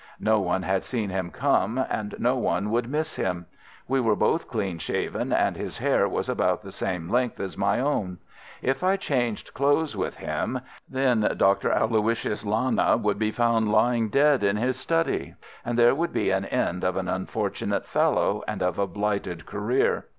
No one had seen him come and no one would miss him. We were both clean shaven, and his hair was about the same length as my own. If I changed clothes with him, then Dr. Aloysius Lana would be found lying dead in his study, and there would be an end of an unfortunate fellow, and of a blighted career.